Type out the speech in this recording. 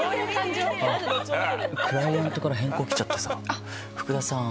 あっクライアントから変更来ちゃってさ福田さん